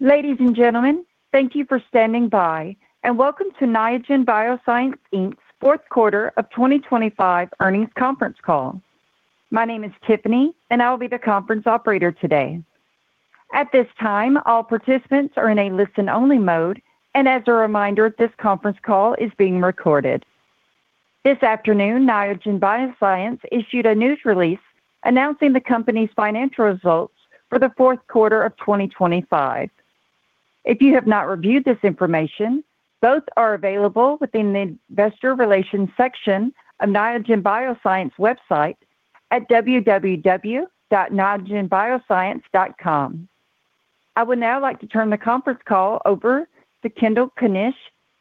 Ladies and gentlemen, thank you for standing by and welcome to Niagen Bioscience Inc.'s fourth quarter of 2025 earnings conference call. My name is Tiffany and I will be the conference operator today. At this time, all participants are in a listen only mode and as a reminder, this conference call is being recorded. This afternoon, Niagen Bioscience issued a news release announcing the company's financial results for the fourth quarter of 2025. If you have not reviewed this information, both are available within the investor relations section of Niagen Bioscience website at www.niagenbioscience.com. I would now like to turn the conference call over to Kendall Knysch,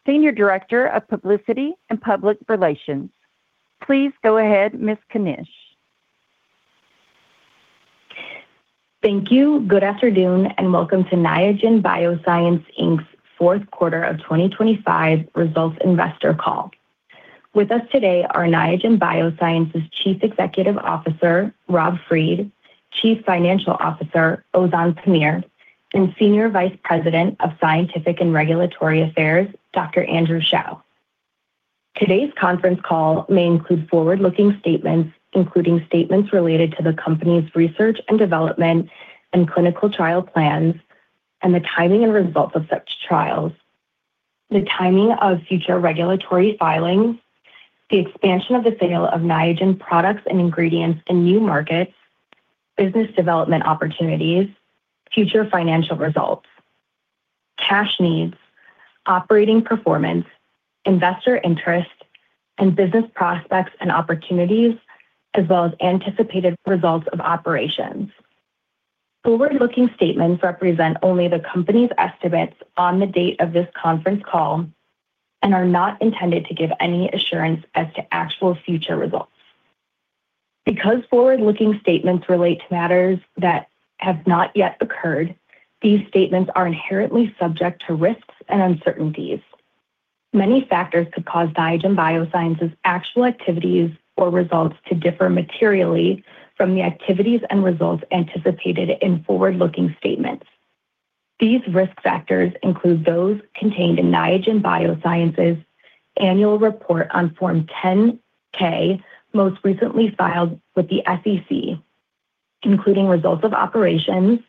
Senior Director of Publicity and Public Relations. Please go ahead, Ms. Knysch. Thank you. Good afternoon and welcome to Niagen Bioscience Inc.'s fourth quarter of 2025 results investor call. With us today are Niagen Bioscience's Chief Executive Officer, Rob Fried, Chief Financial Officer, Ozan Pamir, and Senior Vice President of Scientific and Regulatory Affairs, Dr. Andrew Shao. Today's conference call may include forward-looking statements, including statements related to the company's research and development and clinical trial plans, and the timing and results of such trials, the timing of future regulatory filings, the expansion of the sale of Niagen products and ingredients in new markets, business development opportunities, future financial results, cash needs, operating performance, investor interest, and business prospects and opportunities as well as anticipated results of operations. Forward-looking statements represent only the company's estimates on the date of this conference call and are not intended to give any assurance as to actual future results. Forward-looking statements relate to matters that have not yet occurred, these statements are inherently subject to risks and uncertainties. Many factors could cause Niagen Bioscience's actual activities or results to differ materially from the activities and results anticipated in forward-looking statements. These risk factors include those contained in Niagen Bioscience's annual report on Form 10-K, most recently filed with the SEC, including results of operations,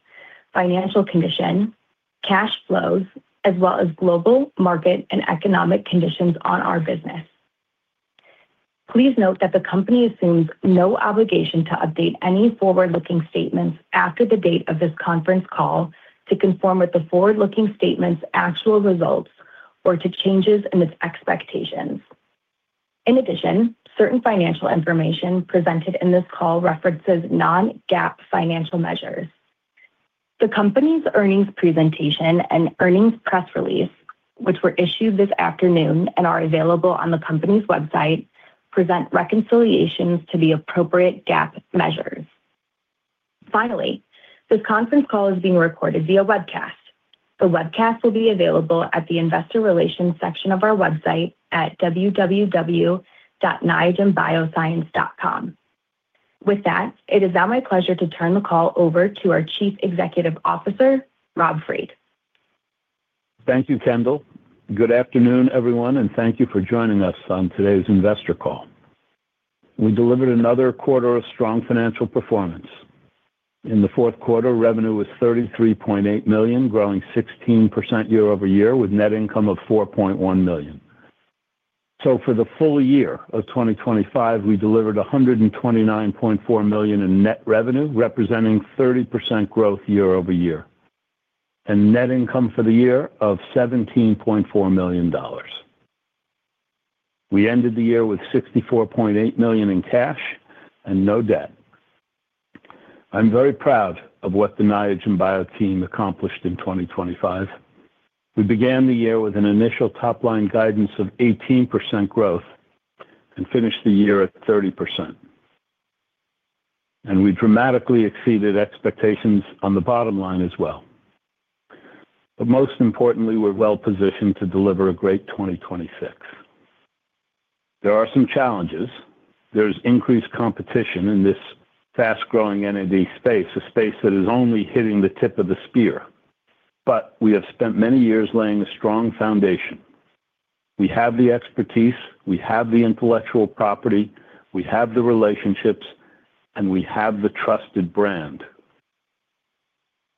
financial condition, cash flows, as well as global market and economic conditions on our business. Please note that the company assumes no obligation to update any forward-looking statements after the date of this conference call to conform with the forward-looking statements actual results or to changes in its expectations. Certain financial information presented in this call references non-GAAP financial measures. The company's earnings presentation and earnings press release, which were issued this afternoon and are available on the company's website, present reconciliations to the appropriate GAAP measures. Finally, this conference call is being recorded via webcast. The webcast will be available at the investor relations section of our website at www.niagenbioscience.com. With that, it is now my pleasure to turn the call over to our Chief Executive Officer, Rob Fried. Thank you, Kendall. Good afternoon, everyone, and thank you for joining us on today's investor call. We delivered another quarter of strong financial performance. In the fourth quarter, revenue was $33.8 million, growing 16% year-over-year with net income of $4.1 million. For the full year of 2025, we delivered $129.4 million in net revenue, representing 30% growth year-over-year, and net income for the year of $17.4 million. We ended the year with $64.8 million in cash and no debt. I'm very proud of what the Niagen Bio team accomplished in 2025. We began the year with an initial top-line guidance of 18% growth and finished the year at 30%. We dramatically exceeded expectations on the bottom line as well. Most importantly, we're well positioned to deliver a great 2026. There are some challenges. There's increased competition in this fast-growing NAD space, a space that is only hitting the tip of the spear. We have spent many years laying a strong foundation. We have the expertise, we have the intellectual property, we have the relationships, and we have the trusted brand.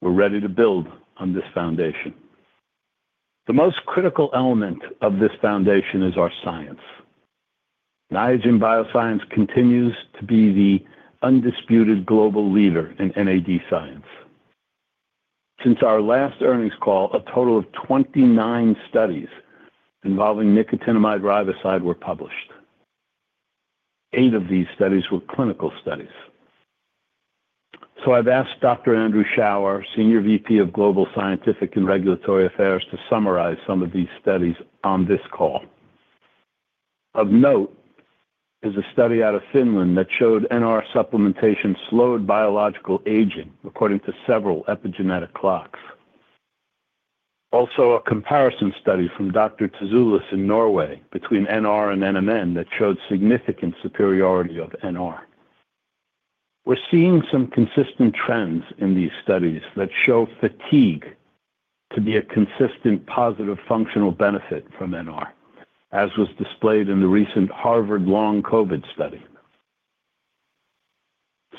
We're ready to build on this foundation. The most critical element of this foundation is our science. Niagen Bioscience continues to be the undisputed global leader in NAD science. Since our last earnings call, a total of 29 studies involving nicotinamide riboside were published. Eight of these studies were clinical studies. I've asked Dr. Andrew Shao, our Senior VP of Global Scientific and Regulatory Affairs, to summarize some of these studies on this call. Of note is a study out of Finland that showed NR supplementation slowed biological aging, according to several epigenetic clocks. A comparison study from Dr. Tzoulis in Norway between NR and NMN that showed significant superiority of NR. We're seeing some consistent trends in these studies that show fatigue to be a consistent positive functional benefit from NR, as was displayed in the recent Harvard long COVID study.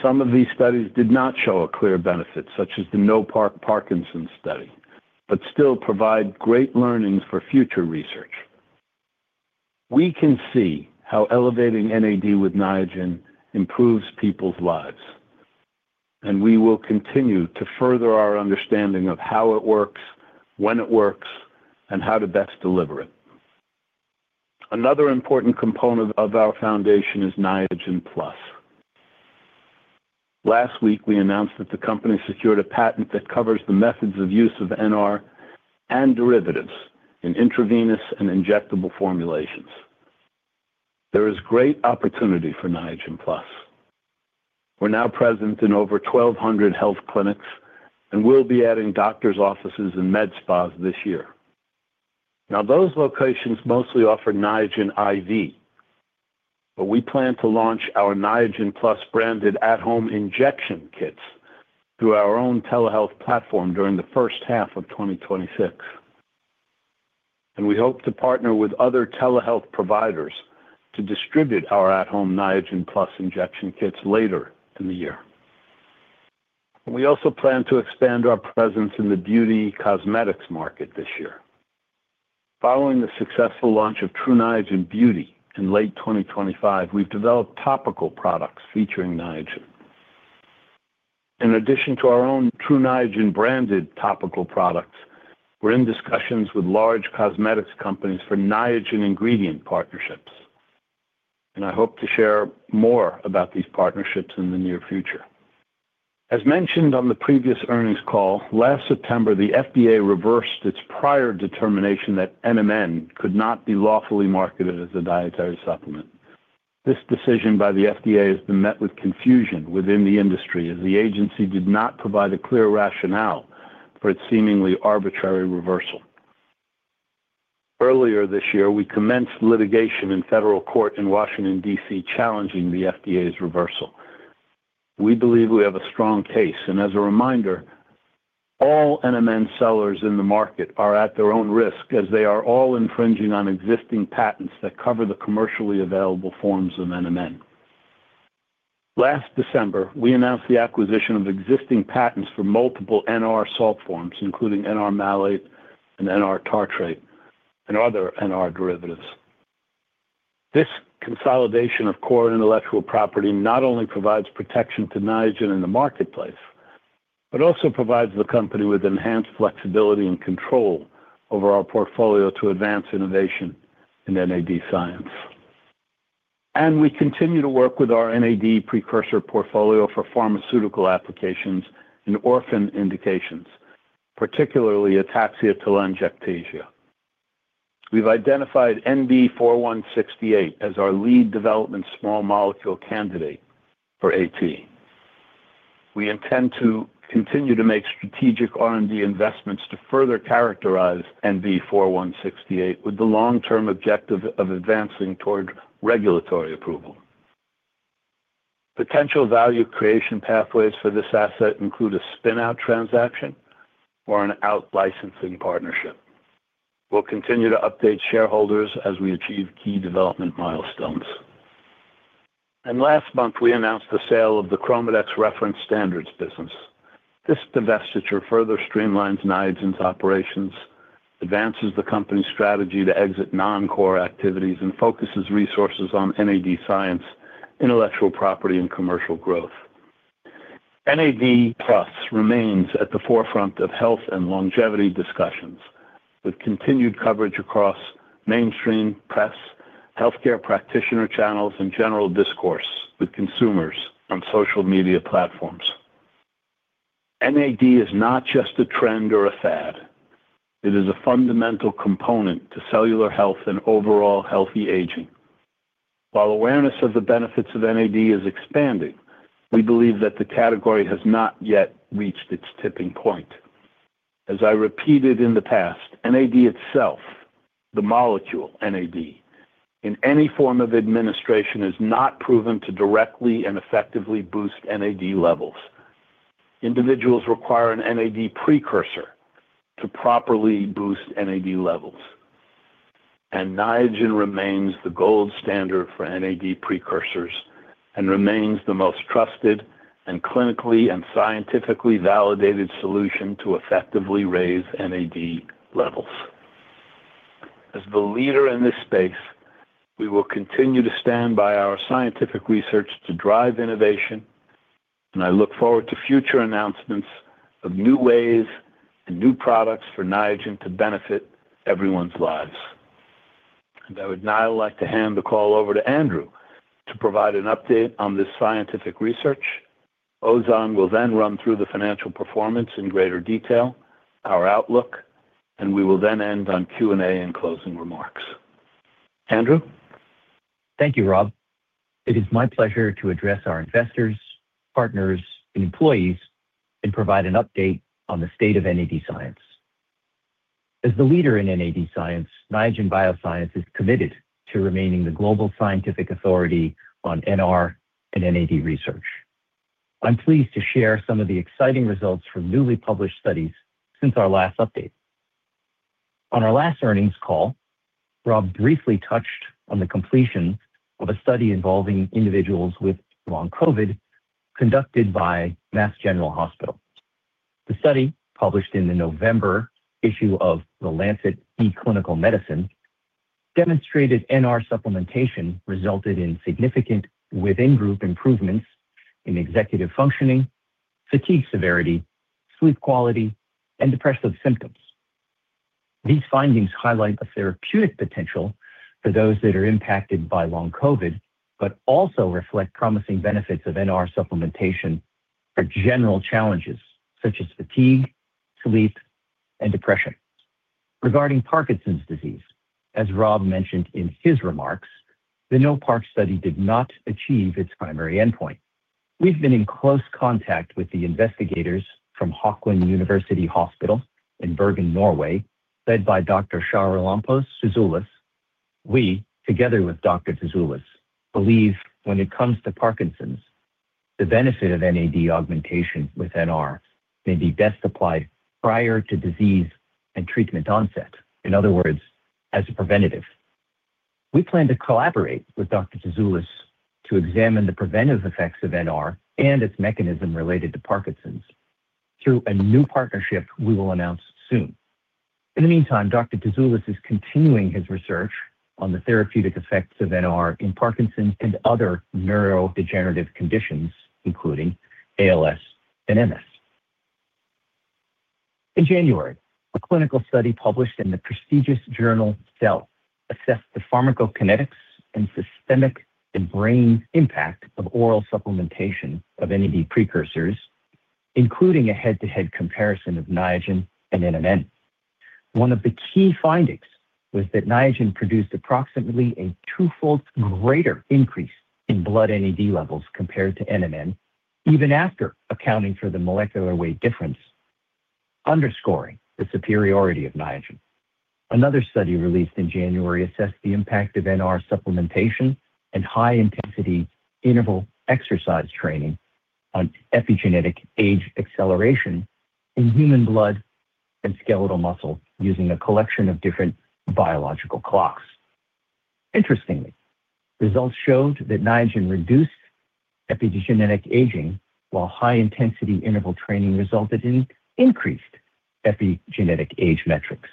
Some of these studies did not show a clear benefit, such as the NOPARK Parkinson study but still provide great learnings for future research. We can see how elevating NAD with Niagen improves people's lives, and we will continue to further our understanding of how it works, when it works, and how to best deliver it. Another important component of our foundation is Niagen Plus. Last week, we announced that the company secured a patent that covers the methods of use of NR and derivatives in intravenous and injectable formulations. There is great opportunity for Niagen Plus. We're now present in over 1,200 health clinics and we'll be adding doctor's offices and med spas this year. Now, those locations mostly offer Niagen IV, but we plan to launch our Niagen Plus branded at-home injection kits through our own telehealth platform during the first half of 2026. We hope to partner with other telehealth providers to distribute our at-home Niagen Plus injection kits later in the year. We also plan to expand our presence in the beauty cosmetics market this year. Following the successful launch of Tru Niagen Beauty in late 2025, we've developed topical products featuring Niagen. In addition to our own Tru Niagen branded topical products, we're in discussions with large cosmetics companies for Niagen ingredient partnerships. I hope to share more about these partnerships in the near future. As mentioned on the previous earnings call, last September, the FDA reversed its prior determination that NMN could not be lawfully marketed as a dietary supplement. This decision by the FDA has been met with confusion within the industry as the agency did not provide a clear rationale for its seemingly arbitrary reversal. Earlier this year, we commenced litigation in federal court in Washington, D.C., challenging the FDA's reversal. We believe we have a strong case. As a reminder, all NMN sellers in the market are at their own risk as they are all infringing on existing patents that cover the commercially available forms of NMN. Last December, we announced the acquisition of existing patents for multiple NR salt forms, including NR malate and NR tartrate, and other NR derivatives. This consolidation of core intellectual property not only provides protection to Niagen in the marketplace, but also provides the company with enhanced flexibility and control over our portfolio to advance innovation in NAD science. We continue to work with our NAD precursor portfolio for pharmaceutical applications in orphan indications, particularly ataxia-telangiectasia. We've identified NB-4168 as our lead development small molecule candidate for AT. We intend to continue to make strategic R&D investments to further characterize NB-4168 with the long-term objective of advancing toward regulatory approval. Potential value creation pathways for this asset include a spin-out transaction or an out-licensing partnership. We'll continue to update shareholders as we achieve key development milestones. Last month, we announced the sale of the ChromaDex Reference Standards business. This divestiture further streamlines Niagen's operations, advances the company's strategy to exit non-core activities, and focuses resources on NAD science, intellectual property, and commercial growth. NAD+ remains at the forefront of health and longevity discussions with continued coverage across mainstream press, healthcare practitioner channels, and general discourse with consumers on social media platforms. NAD is not just a trend or a fad, it is a fundamental component to cellular health and overall healthy aging. While awareness of the benefits of NAD is expanding, we believe that the category has not yet reached its tipping point. As I repeated in the past, NAD itself, the molecule NAD, in any form of administration, is not proven to directly and effectively boost NAD levels. Individuals require an NAD precursor to properly boost NAD levels. Niagen remains the gold standard for NAD precursors and remains the most trusted and clinically and scientifically validated solution to effectively raise NAD levels. As the leader in this space, we will continue to stand by our scientific research to drive innovation. I look forward to future announcements of new ways and new products for Niagen to benefit everyone's lives. I would now like to hand the call over to Andrew to provide an update on this scientific research. Ozan will then run through the financial performance in greater detail, our outlook, we will then end on Q&A and closing remarks. Andrew. Thank you, Rob. It is my pleasure to address our investors, partners, and employees and provide an update on the state of NAD science. As the leader in NAD science, Niagen Bioscience is committed to remaining the global scientific authority on NR and NAD research. I'm pleased to share some of the exciting results from newly published studies since our last update. On our last earnings call, Rob briefly touched on the completion of a study involving individuals with long COVID conducted by Massachusetts General Hospital. The study, published in the November issue of The Lancet eClinicalMedicine, demonstrated NR supplementation resulted in significant within-group improvements in executive functioning, fatigue severity, sleep quality, and depressive symptoms. These findings highlight the therapeutic potential for those that are impacted by long COVID, but also reflect promising benefits of NR supplementation for general challenges such as fatigue, sleep, and depression. Regarding Parkinson's disease, as Rob mentioned in his remarks, the NOPARK study did not achieve its primary endpoint. We've been in close contact with the investigators from Haukeland University Hospital in Bergen, Norway, led by Dr. Charalampos Tzoulis. We, together with Dr. Tzoulis, believe when it comes to Parkinson's, the benefit of NAD augmentation with NR may be best applied prior to disease and treatment onset, in other words, as a preventative. We plan to collaborate with Dr. Tzoulis to examine the preventive effects of NR and its mechanism related to Parkinson's through a new partnership we will announce soon. In the meantime, Dr. Tzoulis is continuing his research on the therapeutic effects of NR in Parkinson's and other neurodegenerative conditions, including ALS and MS. In January, a clinical study published in the prestigious journal Cell assessed the pharmacokinetics and systemic and brain impact of oral supplementation of NAD precursors, including a head-to-head comparison of Niagen and NMN. One of the key findings was that Niagen produced approximately a two-fold greater increase in blood NAD levels compared to NMN, even after accounting for the molecular weight difference, underscoring the superiority of Niagen. Another study released in January assessed the impact of NR supplementation and high-intensity interval exercise training on epigenetic age acceleration in human blood and skeletal muscle using a collection of different epigenetic clocks. Interestingly, results showed that Niagen reduced epigenetic aging, while high-intensity interval training resulted in increased epigenetic age metrics.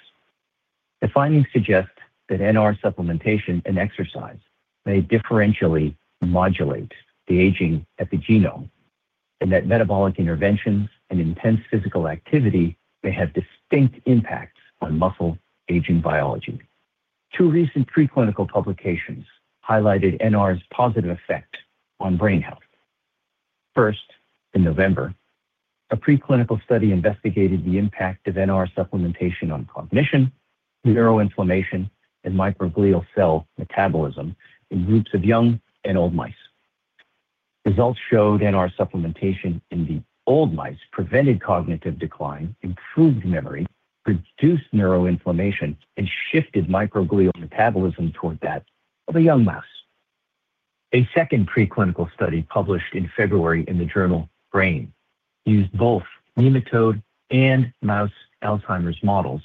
The findings suggest that NR supplementation and exercise may differentially modulate the aging epigenome and that metabolic interventions and intense physical activity may have distinct impacts on muscle aging biology. Two recent preclinical publications highlighted NR's positive effect on brain health. First, in November, a preclinical study investigated the impact of NR supplementation on cognition, neuroinflammation, and microglial cell metabolism in groups of young and old mice. Results showed NR supplementation in the old mice prevented cognitive decline, improved memory, reduced neuroinflammation, and shifted microglial metabolism toward that of a young mouse. A second preclinical study published in February in the journal Brain used both nematode and mouse Alzheimer's models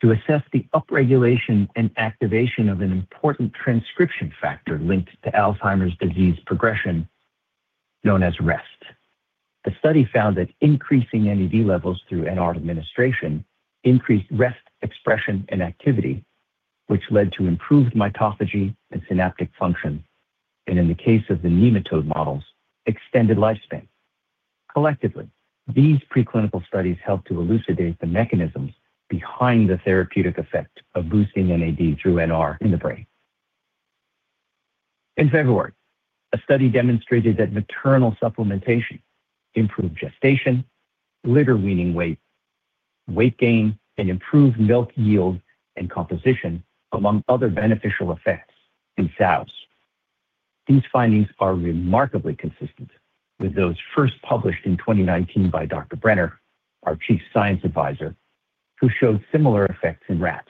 to assess the upregulation and activation of an important transcription factor linked to Alzheimer's disease progression known as REST. The study found that increasing NAD levels through NR administration increased REST expression and activity, which led to improved mitophagy and synaptic function, and in the case of the nematode models, extended lifespan. Collectively, these preclinical studies help to elucidate the mechanisms behind the therapeutic effect of boosting NAD through NR in the brain. In February, a study demonstrated that maternal supplementation improved gestation, litter weaning weight gain, and improved milk yield and composition, among other beneficial effects in sows. These findings are remarkably consistent with those first published in 2019 by Dr. Brenner, our chief science advisor, who showed similar effects in rats.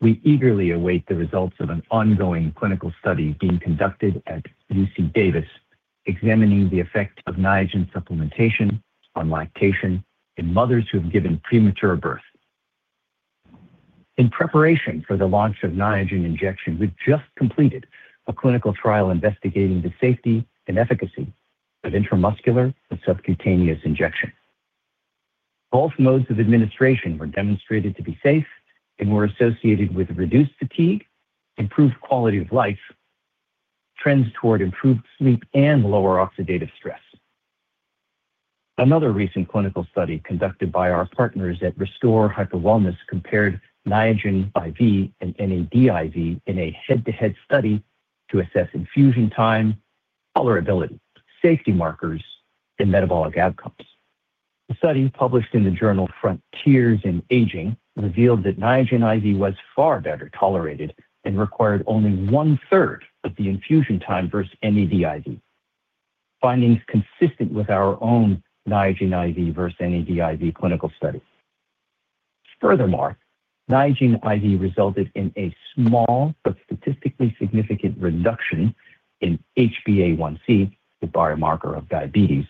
We eagerly await the results of an ongoing clinical study being conducted at UC Davis examining the effect of Niagen supplementation on lactation in mothers who have given premature birth. In preparation for the launch of Niagen injection, we've just completed a clinical trial investigating the safety and efficacy of intramuscular and subcutaneous injection. Both modes of administration were demonstrated to be safe and were associated with reduced fatigue, improved quality of life, trends toward improved sleep, and lower oxidative stress. Another recent clinical study conducted by our partners at Restore Hyper Wellness compared Niagen IV and NAD IV in a head-to-head study to assess infusion time, tolerability, safety markers, and metabolic outcomes. The study, published in the journal Frontiers in Aging, revealed that Niagen IV was far better tolerated and required only one-third of the infusion time versus NAD IV. Findings consistent with our own Niagen IV versus NAD IV clinical study. Niagen IV resulted in a small but statistically significant reduction in HbA1c, the biomarker of diabetes,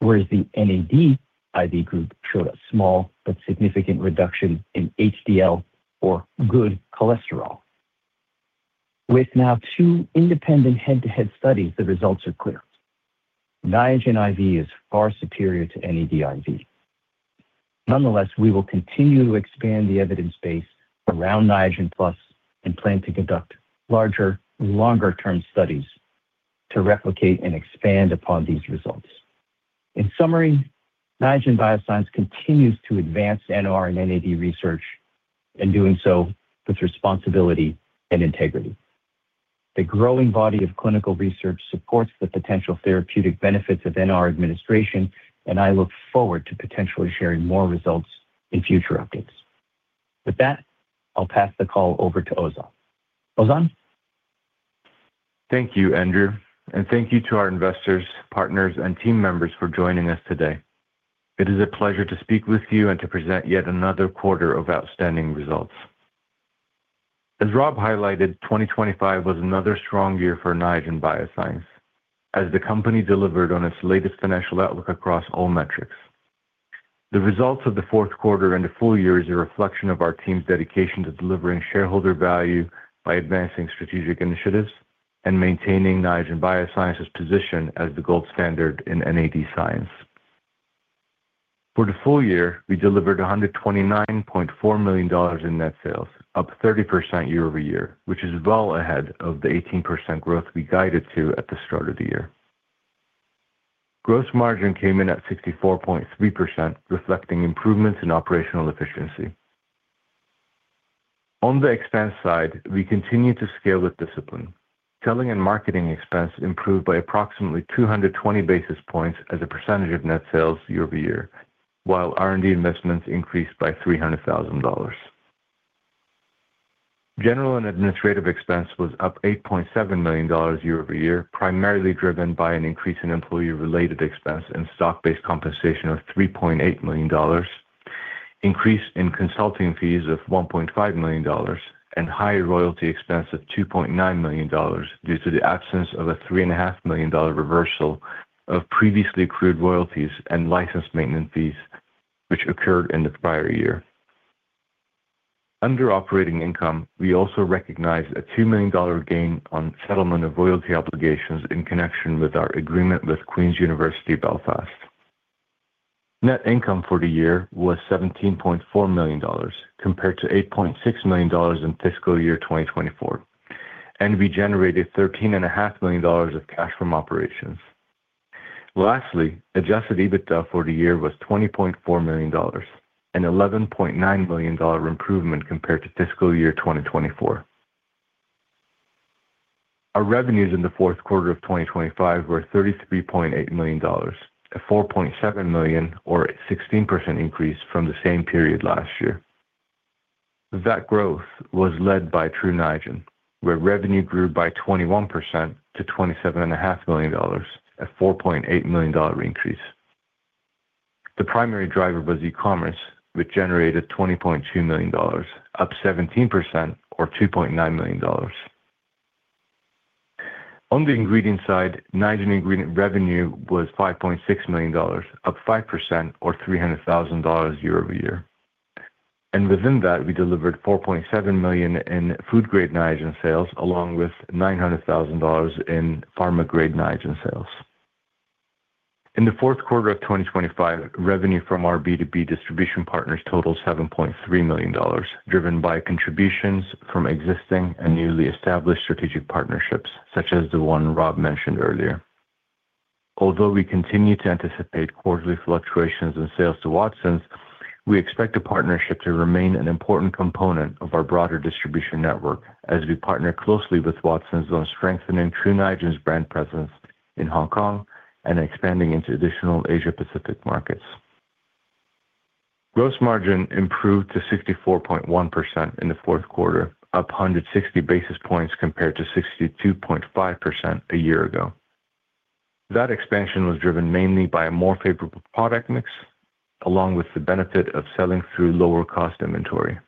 whereas the NAD IV group showed a small but significant reduction in HDL or good cholesterol. With now two independent head-to-head studies, the results are clear. Niagen IV is far superior to NAD IV. Nonetheless, we will continue to expand the evidence base around Niagen Plus and plan to conduct larger, longer-term studies to replicate and expand upon these results. In summary, Niagen Bioscience continues to advance NR and NAD research and doing so with responsibility and integrity. The growing body of clinical research supports the potential therapeutic benefits of NR administration, and I look forward to potentially sharing more results in future updates. With that, I'll pass the call over to Ozan. Ozan. Thank you, Andrew, and thank you to our investors, partners, and team membe s for joining us today. It is a pleasure to speak with you and to present yet another quarter of outstanding results. As Rob highlighted, 2025 was another strong year for Niagen Bioscience as the company delivered on its latest financial outlook across all metrics. The results of the fourth quarter and the full year is a reflection of our team's dedication to delivering shareholder value by advancing strategic initiatives and maintaining Niagen Bioscience's position as the gold standard in NAD science. For the full year, we delivered $129.4 million in net sales, up 30% year-over-year, which is well ahead of the 18% growth we guided to at the start of the year. Gross margin came in at 64.3%, reflecting improvements in operational efficiency. On the expense side, we continue to scale with discipline. Selling and marketing expense improved by approximately 220 basis points as a percentage of net sales year-over-year, while R&D investments increased by $300,000. General and administrative expense was up $8.7 million year-over-year, primarily driven by an increase in employee-related expense and stock-based compensation of $3.8 million, increase in consulting fees of $1.5 million, and higher royalty expense of $2.9 million due to the absence of a $3.5 million. Reversal of previously accrued royalties and license maintenance fees, which occurred in the prior year. Under operating income, we also recognized a $2 million gain on settlement of royalty obligations in connection with our agreement with Queen's University Belfast. Net income for the year was $17.4 million compared to $8.6 million in fiscal year 2024. We generated $13.5 million of cash from operations. Lastly, adjusted EBITDA for the year was $20.4 million, an $11.9 million improvement compared to fiscal year 2024. Our revenues in the fourth quarter of 2025 were $33.8 million, a $4.7 million or 16% increase from the same period last year. That growth was led by Tru Niagen, where revenue grew by 21% to $27.5 million, a $4.8 million increase. The primary driver was e-commerce, which generated $20.2 million, up 17% or $2.9 million. On the ingredient side, Niagen ingredient revenue was $5.6 million, up 5% or $300,000 year-over-year. Within that, we delivered $4.7 million in food-grade Niagen sales, along with $900,000 in pharma-grade Niagen sales. In the fourth quarter of 2025, revenue from our B2B distribution partners totaled $7.3 million, driven by contributions from existing and newly established strategic partnerships, such as the one Rob mentioned earlier. Although we continue to anticipate quarterly fluctuations in sales to Watsons, we expect the partnership to remain an important component of our broader distribution network as we partner closely with Watsons on strengthening Tru Niagen's brand presence in Hong Kong and expanding into additional Asia-Pacific markets. Gross margin improved to 64.1% in the fourth quarter, up 160 basis points compared to 62.5% a year ago. Expansion was driven mainly by a more favorable product mix along with the benefit of selling through lower cost inventory.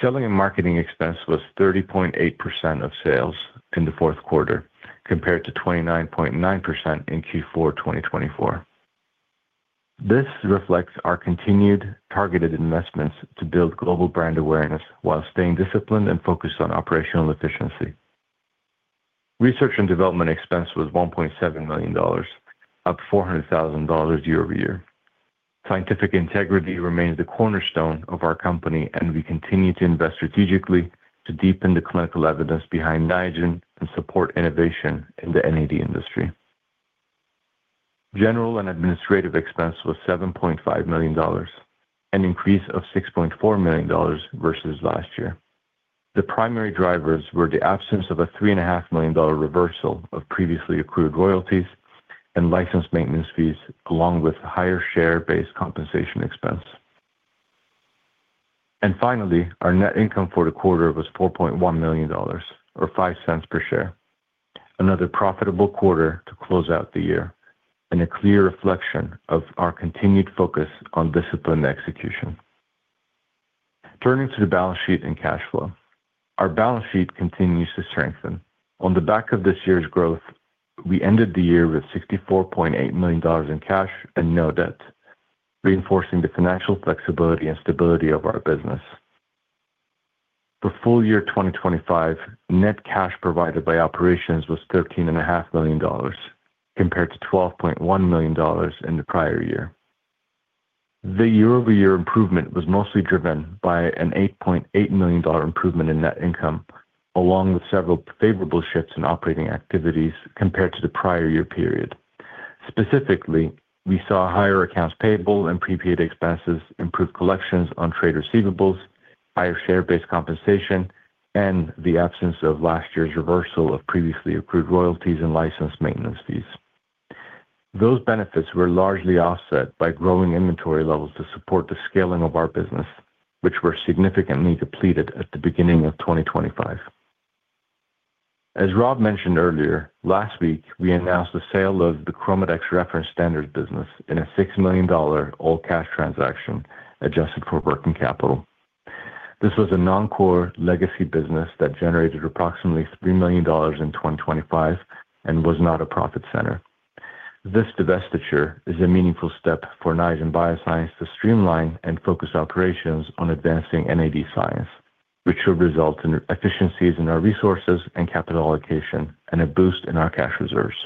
Selling and marketing expense was 30.8% of sales in the fourth quarter compared to 29.9% in Q4 2024. This reflects our continued targeted investments to build global brand awareness while staying disciplined and focused on operational efficiency. Research and development expense was $1.7 million, up $400,000 year-over-year. Scientific integrity remains the cornerstone of our company, we continue to invest strategically to deepen the clinical evidence behind Niagen and support innovation in the NAD industry. General and administrative expense was $7.5 million, an increase of $6.4 million versus last year. The primary drivers were the absence of a $3.5 million reversal of previously accrued royalties and license maintenance fees, along with higher share-based compensation expense. Finally, our net income for the quarter was $4.1 million or $0.05 per share. Another profitable quarter to close out the year and a clear reflection of our continued focus on disciplined execution. Turning to the balance sheet and cash flow. Our balance sheet continues to strengthen. On the back of this year's growth, we ended the year with $64.8 million in cash and no debt, reinforcing the financial flexibility and stability of our business. For full year 2025, net cash provided by operations was $13.5 million. Compared to $12.1 million in the prior year. The year-over-year improvement was mostly driven by an $8.8 million improvement in net income, along with several favorable shifts in operating activities compared to the prior year period. Specifically, we saw higher accounts payable and prepaid expenses, improved collections on trade receivables, higher share-based compensation, and the absence of last year's reversal of previously accrued royalties and license maintenance fees. Those benefits were largely offset by growing inventory levels to support the scaling of our business, which were significantly depleted at the beginning of 2025. As Rob mentioned earlier, last week we announced the sale of the ChromaDex Reference Standards business in a $6 million all-cash transaction adjusted for working capital. This was a non-core legacy business that generated approximately $3 million in 2025 and was not a profit center. This divestiture is a meaningful step for Niagen Bioscience to streamline and focus operations on advancing NAD science, which should result in efficiencies in our resources and capital allocation and a boost in our cash reserves.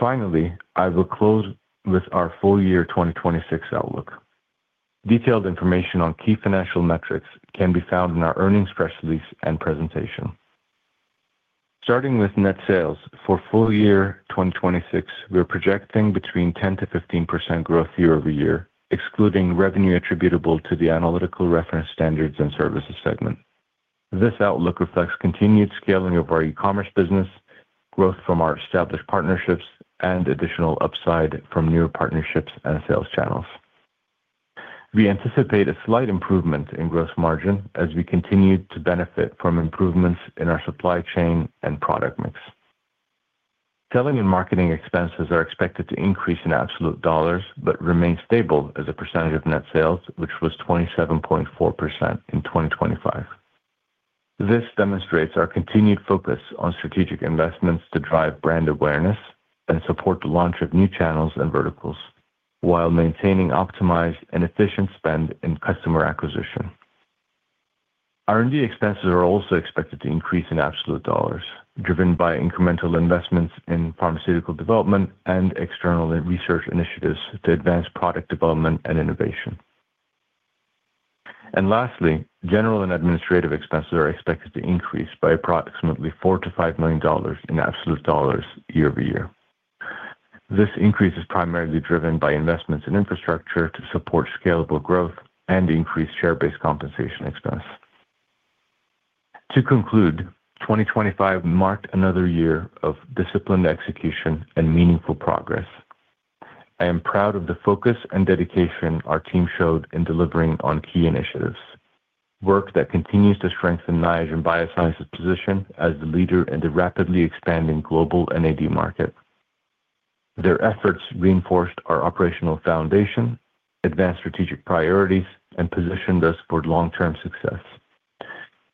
I will close with our full year 2026 outlook. Detailed information on key financial metrics can be found in our earnings press release and presentation. Starting with net sales, for full year 2026, we are projecting between 10%-15% growth year-over-year, excluding revenue attributable to the analytical reference standards and services segment. This outlook reflects continued scaling of our e-commerce business, growth from our established partnerships, and additional upside from new partnerships and sales channels. We anticipate a slight improvement in gross margin as we continue to benefit from improvements in our supply chain and product mix. Selling and marketing expenses are expected to increase in absolute dollars but remain stable as a percentage of net sales, which was 27.4% in 2025. This demonstrates our continued focus on strategic investments to drive brand awareness and support the launch of new channels and verticals while maintaining optimized and efficient spend in customer acquisition. R&D expenses are also expected to increase in absolute dollars, driven by incremental investments in pharmaceutical development and external research initiatives to advance product development and innovation. Lastly, general and administrative expenses are expected to increase by approximately $4 million-$5 million in absolute dollars year-over-year. This increase is primarily driven by investments in infrastructure to support scalable growth and increased share-based compensation expense. 2025 marked another year of disciplined execution and meaningful progress. I am proud of the focus and dedication our team showed in delivering on key initiatives, work that continues to strengthen Niagen Bioscience's position as the leader in the rapidly expanding global NAD market. Their efforts reinforced our operational foundation, advanced strategic priorities, and positioned us for long-term success.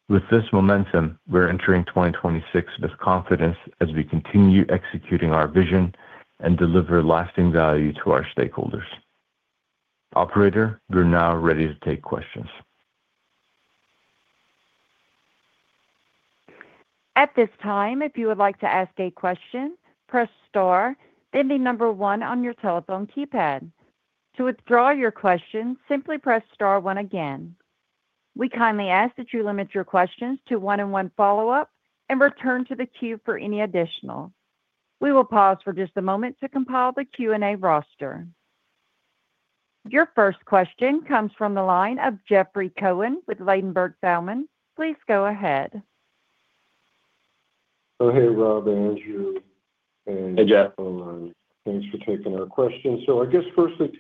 We're entering 2026 with confidence as we continue executing our vision and deliver lasting value to our stakeholders. Operator, we're now ready to take questions. At this time, if you would like to ask a question, press star, then the number one on your telephone keypad. To withdraw your question, simply press star one again. We kindly ask that you limit your questions to one and one follow-up and return to the queue for any additional. We will pause for just a moment to compile the Q&A roster. Your first question comes from the line of Jeffrey Cohen with Ladenburg Thalmann. Please go ahead. Oh, hey, Rob, Andrew. Hey, Jeff. Thanks for taking our question. I guess firstly,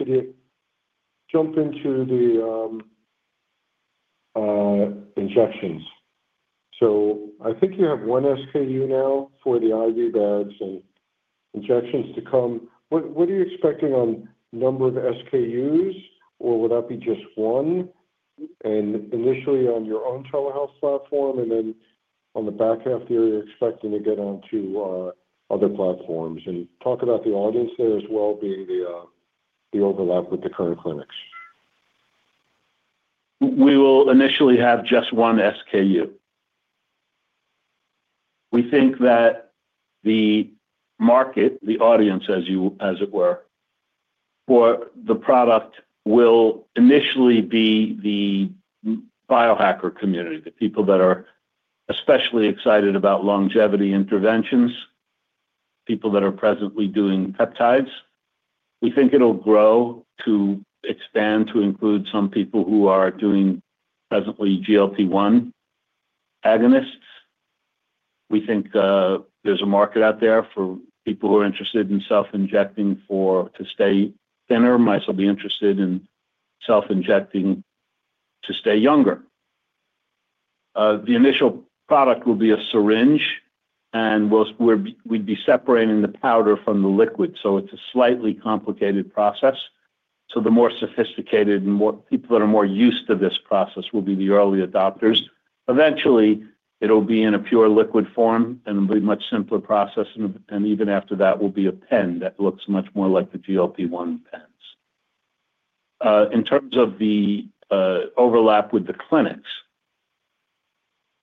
jump into the injections. I think you have 1 SKU now for the IV bags and injections to come. What are you expecting on number of SKUs, or would that be just one? Initially on your own telehealth platform, and then on the back half of the year, you're expecting to get onto other platforms. Talk about the audience there as well, being the overlap with the current clinics. We will initially have just one SKU. We think that the market, the audience, as it were, for the product will initially be the biohacker community, the people that are especially excited about longevity interventions, people that are presently doing peptides. We think it'll grow to expand to include some people who are doing presently GLP-1 agonists. We think there's a market out there for people who are interested in self-injecting to stay thinner, might still be interested in self-injecting to stay younger. The initial product will be a syringe, and we'd be separating the powder from the liquid. It's a slightly complicated process. The more sophisticated and people that are more used to this process will be the early adopters. Eventually, it'll be in a pure liquid form and be much simpler process. Even after that will be a pen that looks much more like the GLP-1 pens. In terms of the overlap with the clinics.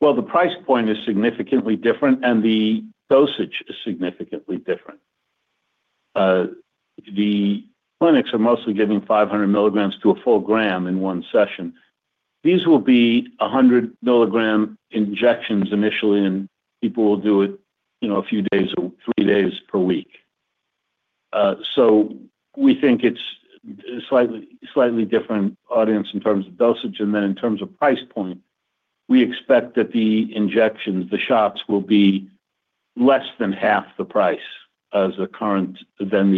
Well, the price point is significantly different, and the dosage is significantly different. The clinics are mostly giving 500 milligrams to a one gram in one session. These will be 100 milligram injections initially, and people will do it, you know, three days per week. We think it's slightly different audience in terms of dosage. In terms of price point, we expect that the injections, the shots will be less than half the price than the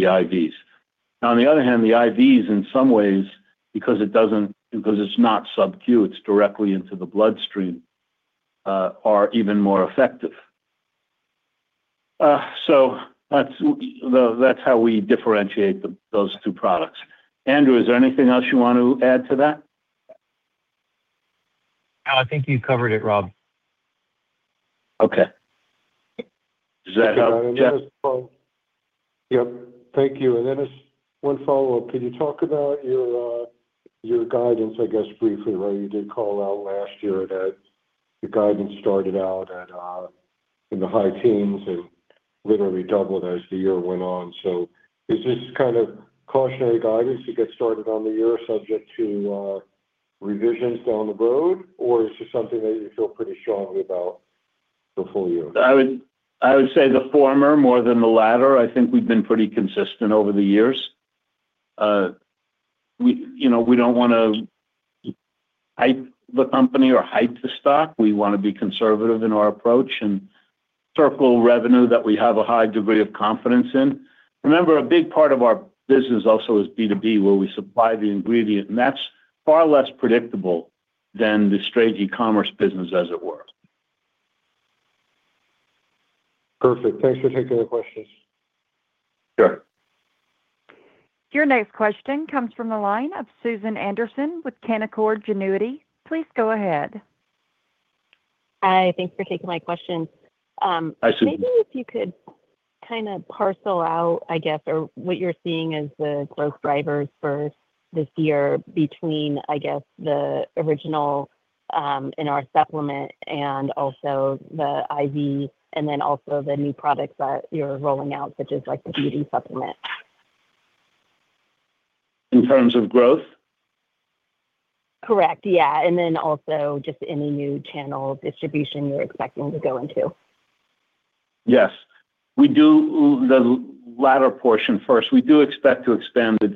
IVs. On the other hand, the IVs in some ways, because it's not sub-Q, it's directly into the bloodstream, are even more effective. That's how we differentiate those two products. Andrew, is there anything else you want to add to that? No, I think you covered it, Rob. Okay. Does that help, Jeff? Yep. Thank you. Just one follow-up. Could you talk about your guidance, I guess, briefly, where you did call out last year that the guidance started out in the high teens and literally doubled as the year went on? Is this kind of cautionary guidance to get started on the year subject to revisions down the road, or is this something that you feel pretty strongly about the full year? I would say the former more than the latter. I think we've been pretty consistent over the years. We, you know, we don't wanna hype the company or hype the stock. We wanna be conservative in our approach and circle revenue that we have a high degree of confidence in. Remember, a big part of our business also is B2B, where we supply the ingredient, and that's far less predictable than the straight e-commerce business as it were. Perfect. Thanks for taking the questions. Sure. Your next question comes from the line of Susan Anderson with Canaccord Genuity. Please go ahead. Hi. Thanks for taking my question. Hi, Susan. Maybe if you could kinda parcel out, I guess, or what you're seeing as the growth drivers for this year between, I guess, the original NR supplement and also the IV, and then also the new products that you're rolling out, such as like the beauty supplement? In terms of growth? Correct. Yeah. Also just any new channel distribution you're expecting to go into? Yes. We do the latter portion first. We do expect to expand the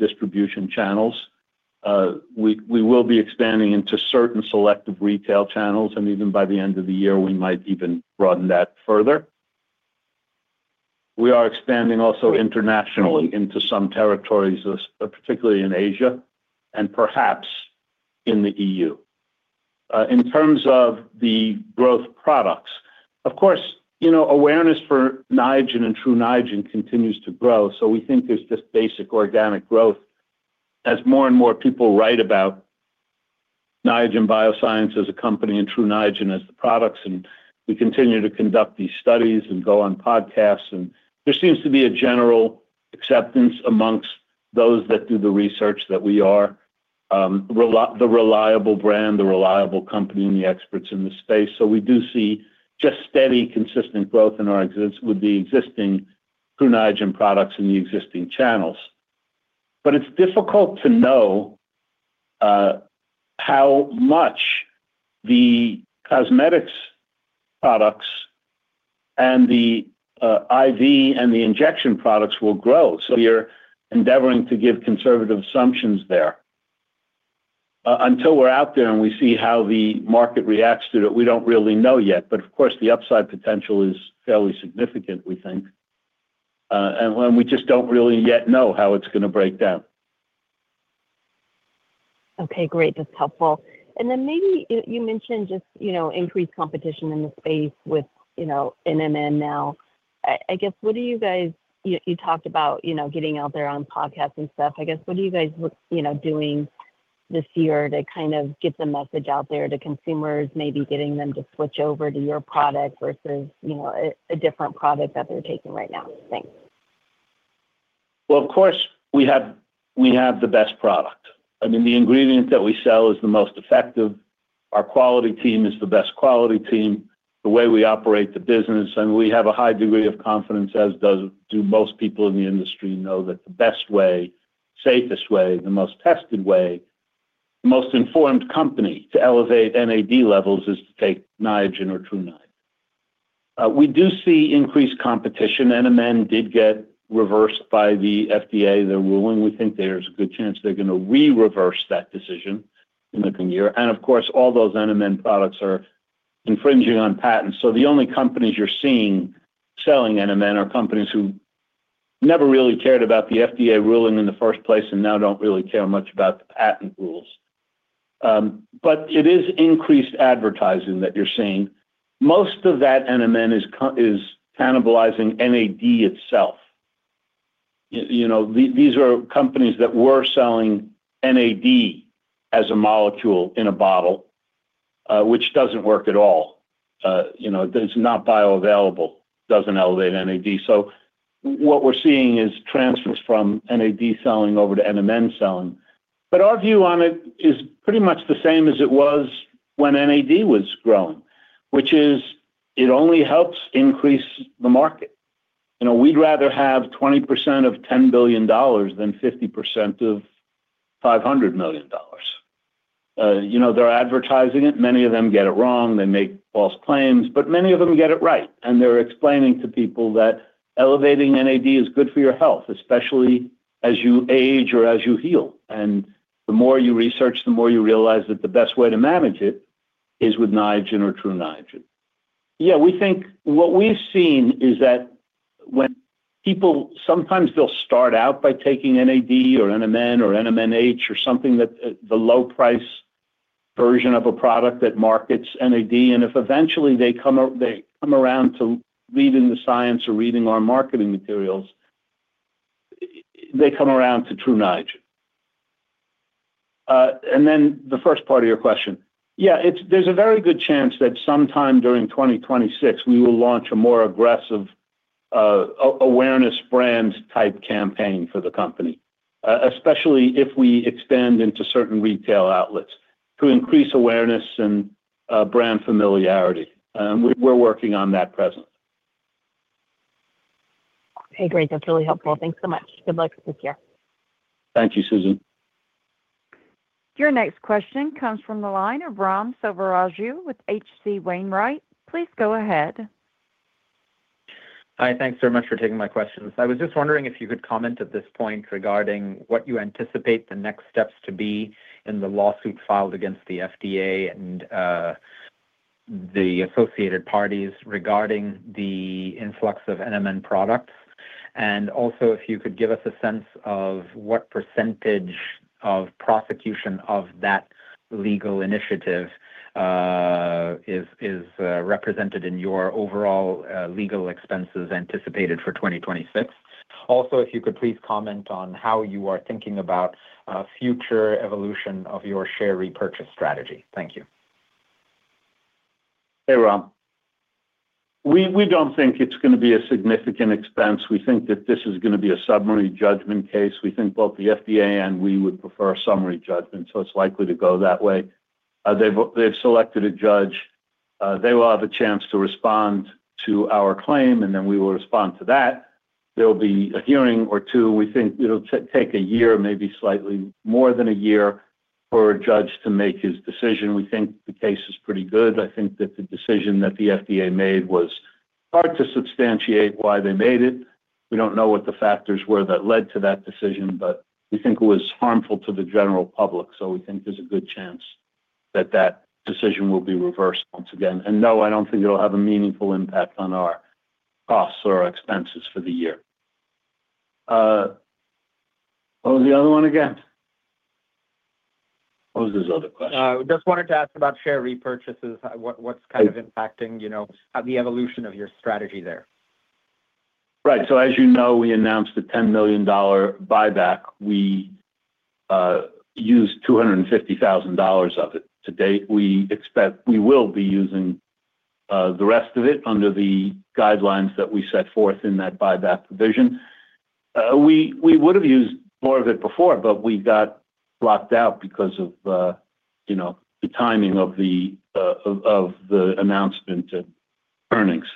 distribution channels. We will be expanding into certain selective retail channels, and even by the end of the year, we might even broaden that further. We are expanding also internationally into some territories, particularly in Asia and perhaps in the E.U. In terms of the growth products, of course, you know, awareness for Niagen and Tru Niagen continues to grow. We think there's just basic organic growth as more and more people write about Niagen Bioscience as a company and Tru Niagen as the products, and we continue to conduct these studies and go on podcasts. There seems to be a general acceptance amongst those that do the research that we are the reliable brand, the reliable company, and the experts in the space. We do see just steady, consistent growth with the existing Tru Niagen products in the existing channels. It's difficult to know how much the cosmetics products and the IV and the injection products will grow. We are endeavoring to give conservative assumptions there. Until we're out there and we see how the market reacts to it, we don't really know yet. Of course, the upside potential is fairly significant, we think. And we just don't really yet know how it's gonna break down. Okay, great. That's helpful. Maybe you mentioned just, you know, increased competition in the space with, you know, NMN now. I guess, you talked about, you know, getting out there on podcasts and stuff. I guess, what are you guys, you know, doing this year to kind of get the message out there to consumers, maybe getting them to switch over to your product versus, you know, a different product that they're taking right now? Thanks. Well, of course, we have the best product. I mean, the ingredient that we sell is the most effective. Our quality team is the best quality team. The way we operate the business, we have a high degree of confidence, as do most people in the industry know that the best way, safest way, the most tested way, most informed company to elevate NAD levels is to take Niagen or TruNiagen. We do see increased competition. NMN did get reversed by the FDA, their ruling. We think there's a good chance they're gonna re-reverse that decision. In the coming year. Of course, all those NMN products are infringing on patents. The only companies you're seeing selling NMN are companies who never really cared about the FDA ruling in the first place and now don't really care much about the patent rules. It is increased advertising that you're seeing. Most of that NMN is cannibalizing NAD itself. You know, these are companies that were selling NAD as a molecule in a bottle, which doesn't work at all. You know, it's not bioavailable, doesn't elevate NAD. What we're seeing is transfers from NAD selling over to NMN selling. Our view on it is pretty much the same as it was when NAD was growing, which is it only helps increase the market. You know, we'd rather have 20% of $10 billion than 50% of $500 million. You know, they're advertising it, many of them get it wrong, they make false claims, but many of them get it right, and they're explaining to people that elevating NAD is good for your health, especially as you age or as you heal. The more you research, the more you realize that the best way to manage it is with Niagen or Tru Niagen. Yeah, we think what we've seen is that when people sometimes they'll start out by taking NAD or NMN or NMNH or something that the low price version of a product that markets NAD, if eventually they come around to reading the science or reading our marketing materials, they come around to Tru Niagen. Then the first part of your question. Yeah, there's a very good chance that sometime during 2026 we will launch a more aggressive awareness brand type campaign for the company, especially if we expand into certain retail outlets to increase awareness and brand familiarity. We're working on that presently. Okay, great. That's really helpful. Thanks so much. Good luck this year. Thank you, Susan. Your next question comes from the line of Ram Selvaraju with H.C. Wainwright. Please go ahead. Hi. Thanks so much for taking my questions. I was just wondering if you could comment at this point regarding what you anticipate the next steps to be in the lawsuit filed against the FDA and the associated parties regarding the influx of NMN products. Also, if you could give us a sense of what % of prosecution of that legal initiative is represented in your overall legal expenses anticipated for 2026. Also, if you could please comment on how you are thinking about future evolution of your share repurchase strategy. Thank you. Hey, Ram. We don't think it's gonna be a significant expense. We think that this is gonna be a summary judgment case. We think both the FDA and we would prefer a summary judgment, so it's likely to go that way. They've selected a judge. They will have a chance to respond to our claim, then we will respond to that. There'll be a hearing or two. We think it'll take a year, maybe slightly more than a year for a judge to make his decision. We think the case is pretty good. I think that the decision that the FDA made was hard to substantiate why they made it. We don't know what the factors were that led to that decision, we think it was harmful to the general public. We think there's a good chance that that decision will be reversed once again. No, I don't think it'll have a meaningful impact on our costs or our expenses for the year. What was the other one again? What was his other question? Just wanted to ask about share repurchases. What's kind of impacting. Yeah You know, the evolution of your strategy there. Right. As you know, we announced a $10 million buyback. We used $250,000 of it to date. We expect we will be using the rest of it under the guidelines that we set forth in that buyback provision. We would have used more of it before, but we got blocked out because of, you know, the timing of the announcement and earnings,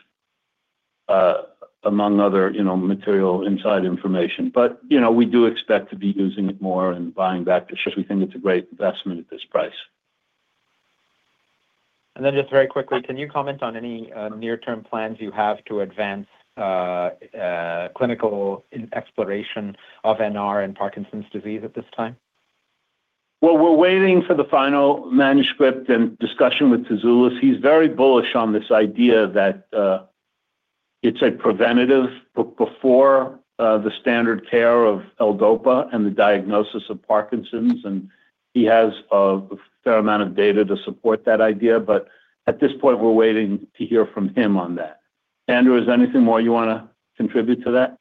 among other, you know, material inside information. You know, we do expect to be using it more and buying back the shares. We think it's a great investment at this price. Just very quickly, can you comment on any near-term plans you have to advance clinical exploration of NR and Parkinson's disease at this time? Well, we're waiting for the final manuscript and discussion with Tzoulis. He's very bullish on this idea that, it's a preventative before, the standard care of L-DOPA and the diagnosis of Parkinson's, and he has a fair amount of data to support that idea. At this point, we're waiting to hear from him on that. Andrew, is there anything more you want to contribute to that?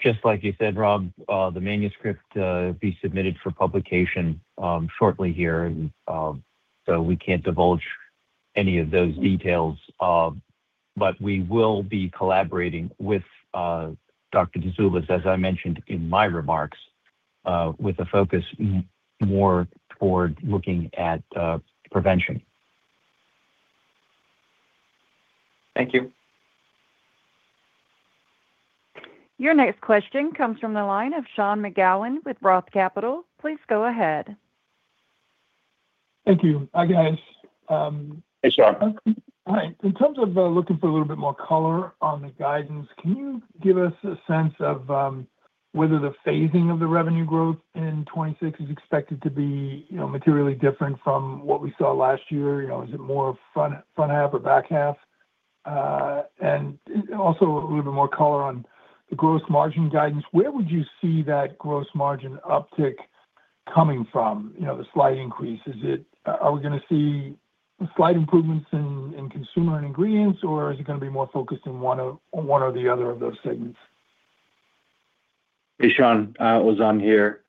Just like you said, Ram, the manuscript will be submitted for publication shortly here. We can't divulge any of those details. We will be collaborating with Dr. Tzoulis, as I mentioned in my remarks, with a focus more toward looking at prevention. Thank you. Your next question comes from the line of Sean McGowan with Roth Capital. Please go ahead. Thank you. Hi, guys. Hey, Sean. Hi. In terms of looking for a little bit more color on the guidance, can you give us a sense of whether the phasing of the revenue growth in 2026 is expected to be, you know, materially different from what we saw last year? You know, is it more front half or back half? Also a little bit more color on the gross margin guidance. Where would you see that gross margin uptick coming from? You know, the slight increase. Are we gonna see slight improvements in consumer and ingredients, or is it gonna be more focused in one or the other of those segments? Hey, Sean, Ozan here.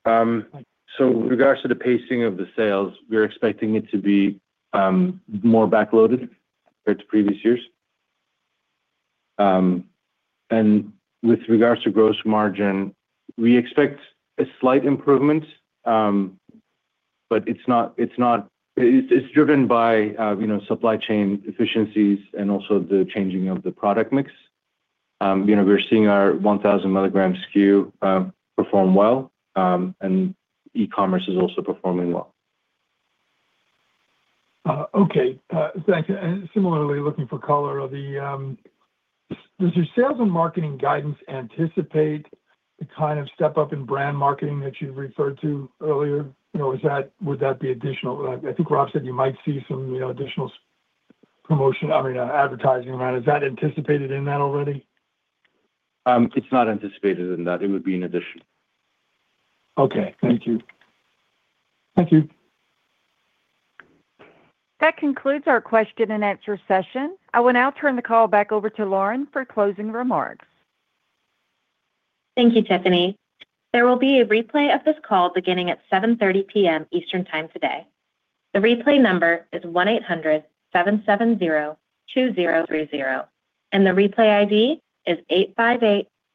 With regards to the pacing of the sales, we're expecting it to be more backloaded compared to previous years. With regards to gross margin, we expect a slight improvement, but it's driven by, you know, supply chain efficiencies and also the changing of the product mix. You know, we're seeing our 1,000 milligram SKU perform well, e-commerce is also performing well. Okay. Thank you. Similarly, looking for color of the. Does your sales and marketing guidance anticipate the kind of step-up in brand marketing that you referred to earlier? You know, would that be additional? I think Rob said you might see some, you know, additional promotion, I mean, advertising around. Is that anticipated in that already? It's not anticipated in that. It would be in addition. Okay, thank you. Thank you. That concludes our question-and-answer session. I will now turn the call back over to Lauren for closing remarks. Thank you, Tiffany. There will be a replay of this call beginning at 7:30 P.M. Eastern Time today. The replay number is 1-800-770-2030, and the replay ID is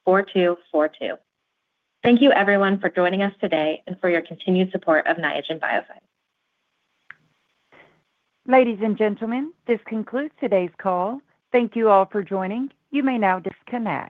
8584242. Thank you everyone for joining us today and for your continued support of Niagen Bioscience. Ladies and gentlemen, this concludes today's call. Thank you all for joining. You may now disconnect.